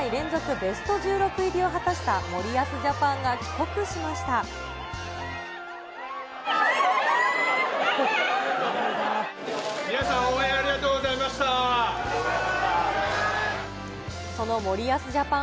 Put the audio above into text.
ベスト１６入りを果たした森その森保ジャパン。